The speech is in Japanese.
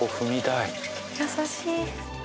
優しい。